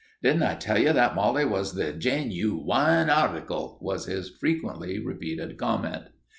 "Didn't I tell you that Molly was the genooine harticle?" was his frequently repeated comment.